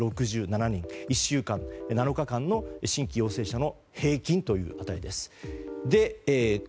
１週間、７日間の新規陽性者数の平均の値です。